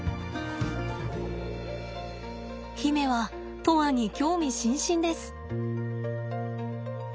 媛は砥愛に興味津々です。